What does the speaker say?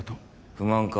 不満か？